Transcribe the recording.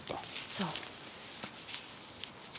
そう。